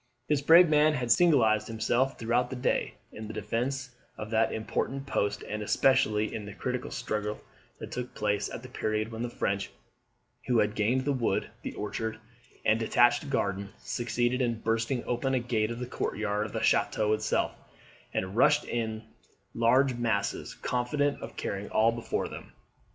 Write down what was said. This brave man had signalised himself, throughout the day, in the defence of that important post, and especially in the critical struggle that took place at the period when the French, who had gained the wood, the orchard, and detached garden, succeeded in bursting open a gate of the courtyard of the chateau itself, and rushed in in large masses, confident of carrying all before them.